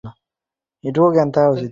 এরপর উমাইর বলতে লাগল, ইয়া রাসূলাল্লাহ!